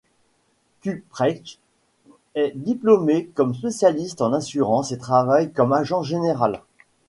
Kuprecht est diplômé comme spécialiste en assurance et travaille comme agent général.